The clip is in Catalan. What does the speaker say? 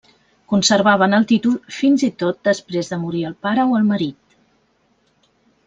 Conservaven el títol fins i tot després de morir el pare o el marit.